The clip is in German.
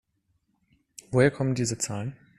Woher kommen diese Zahlen?